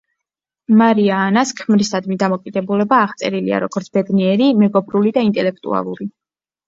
მარია ანას ქმრისადმი დამოკიდებულება აღწერილია როგორც ბედნიერი, მეგობრული და ინტელექტუალური.